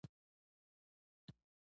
په ښځو باندې ظلم روان ګڼل کېده.